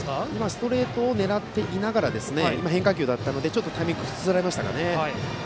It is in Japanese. ストレートを狙っていながらの変化球だったのでタイミングを崩されましたかね。